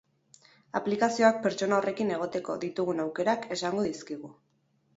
Aplikazioak pertsona horrekin egoteko ditugun aukerak esango dizkigu.